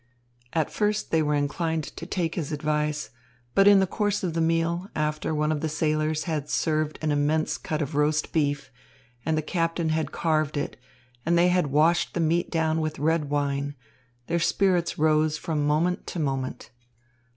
At first they were inclined to take his advice, but in the course of the meal, after one of the sailors had served an immense cut of roast beef, and the captain had carved it, and they had washed the meat down with red wine, their spirits rose from moment to moment.